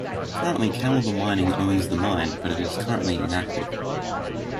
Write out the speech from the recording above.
Currently Calibre Mining owns the mine, but it is currently in-active.